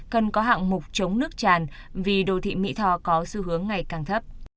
cần có hạng mục chống nước tràn vì đô thị mỹ thò có xu hướng ngày càng thấp